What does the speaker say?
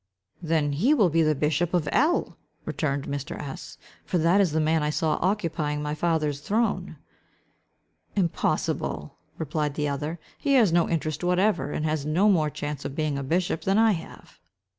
"Then he will be bishop of L——!" returned Mr. S——; "for that is the man I saw occupying my father's throne." "Impossible!" replied the other; "he has no interest whatever, and has no more chance of being a bishop than I have."